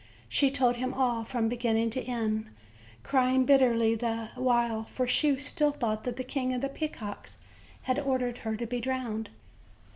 She told him all from beginning to end, crying bitterly the while; for she still thought that the King of the Peacocks had ordered her to be drowned.